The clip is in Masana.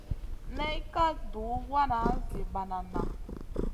Nay ka duhw wana zi banada.